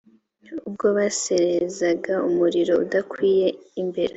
ubwo boserezaga umuriro udakwiriye imbere